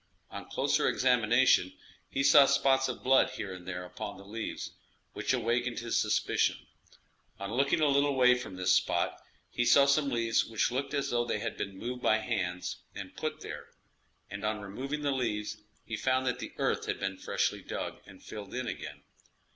On closer examination, he saw spots of blood here and there upon the leaves, which awakened his suspicion; on looking a little way from this spot, he saw some leaves which looked as though they had been moved by hands and put there, and on removing the leaves, he found that the earth had been freshly dug and filled in again.